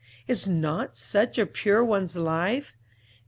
"Is not such a pure one's life?